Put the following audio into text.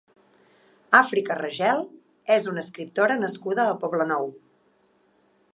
Àfrica Ragel és una escriptora nascuda a Poblenou.